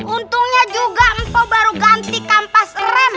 untungnya juga engkau baru ganti kampas rem